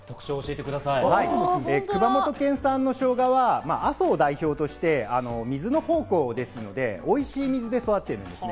熊本県産のしょうがは、阿蘇を代表として水の宝庫ですので、おいしい水で育ってるんですね。